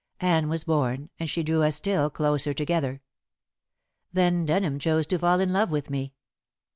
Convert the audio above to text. Anne was born, and she drew us still closer together. Then Denham chose to fall in love with me.